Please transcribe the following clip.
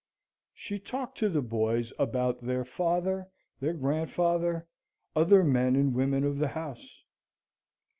She talked to the boys about their father, their grandfather other men and women of the house.